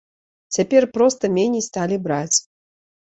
Цяпер проста меней сталі браць.